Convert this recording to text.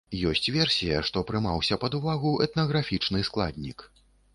Ёсць версія, што прымаўся пад увагу этнаграфічны складнік.